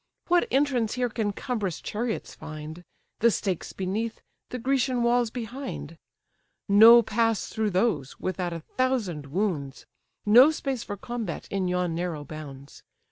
What entrance here can cumbrous chariots find, The stakes beneath, the Grecian walls behind? No pass through those, without a thousand wounds, No space for combat in yon narrow bounds.